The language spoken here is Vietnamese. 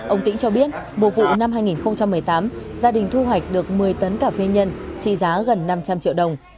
ông tĩnh cho biết mùa vụ năm hai nghìn một mươi tám gia đình thu hoạch được một mươi tấn cà phê nhân trị giá gần năm trăm linh triệu đồng